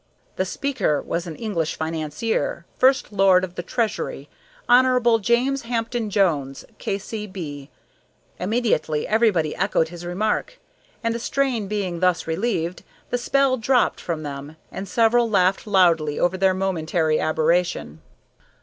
The speaker was an English financier, First Lord of the Treasury, Hon. James Hampton Jones, K.C.B. Immediately everybody echoed his remark, and the strain being thus relieved, the spell dropped from them and several laughed loudly over their momentary aberration.